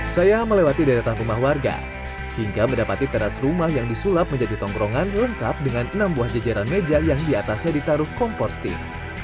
saya melewati deretan rumah warga hingga mendapati teras rumah yang disulap menjadi tongkrongan lengkap dengan enam buah jejeran meja yang diatasnya ditaruh kompor stik